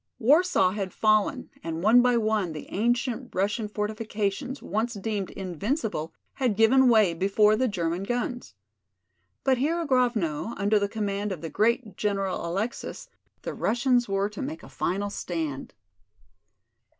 Warsaw had fallen and one by one the ancient Russian fortifications once deemed invincible had given way before the German guns. But here at Grovno, under the command of the great General Alexis, the Russians were to make a final stand.